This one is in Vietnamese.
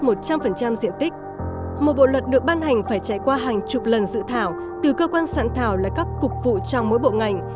một bộ luật được ban hành phải chạy qua hàng chục lần dự thảo từ cơ quan soạn thảo là các cục vụ trong mỗi bộ ngành